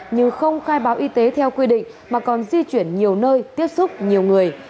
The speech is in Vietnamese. như không khai báo y tế theo quy định mà còn di chuyển nhiều nơi tiếp xúc nhiều người